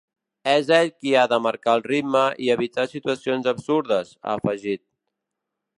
És ell qui ha de marcar el ritme i evitar situacions absurdes, ha afegit.